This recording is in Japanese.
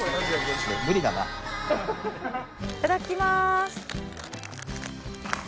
いただきます。